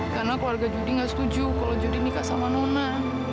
karena keluarga jodi gak setuju kalau jodi nikah sama nona